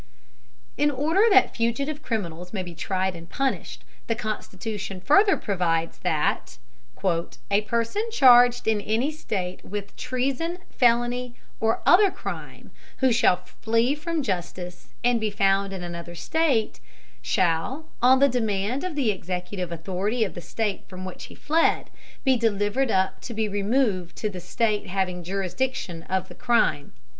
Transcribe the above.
In order that fugitive criminals may be tried and punished, the Constitution further provides that "a person charged in any state with treason, felony, or other crime, who shall flee from justice, and be found in another state, shall, on the demand of the executive authority of the state from which he fled, be delivered up to be removed to the state having jurisdiction of the crime."